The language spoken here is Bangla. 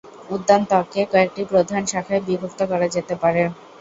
উদ্যান তত্ত্বকে কয়েকটি প্রধান শাখায় বিভক্ত করা যেতে পারে।